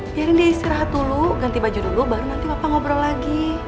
biarin dia istirahat dulu ganti baju dulu baru nanti bapak ngobrol lagi